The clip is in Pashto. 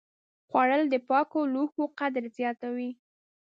خوړل د پاکو لوښو قدر زیاتوي